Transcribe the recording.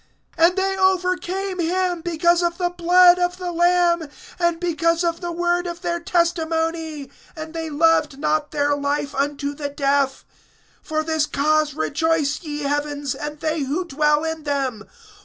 (11)And they overcame him, because of the blood of the Lamb, and because of the word of their testimony; and they loved not their life, unto the death. (12)For this cause rejoice, ye heavens, and they who dwell in them.